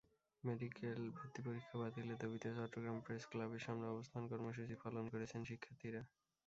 Medical ভর্তি পরীক্ষা বাতিলের দাবিতে চট্টগ্রাম প্রেসক্লাবের সামনে অবস্থান কর্মসূচি পালন করেছেন শিক্ষার্থীরা।